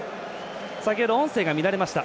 先ほど音声が乱れました。